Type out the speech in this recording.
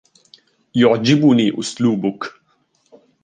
يعجبني أسلوبك.